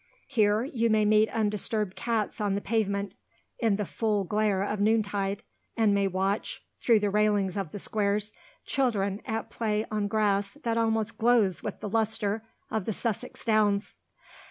Here, you may meet undisturbed cats on the pavement, in the full glare of noontide, and may watch, through the railings of the squares, children at play on grass that almost glows with the lustre of the Sussex Downs.